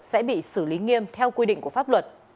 sẽ bị xử lý nghiêm theo quy định của pháp luật